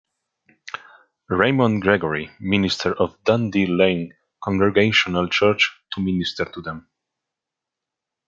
Raymond Gregory, minister of Dundee Lane Congregational Church to minister to them.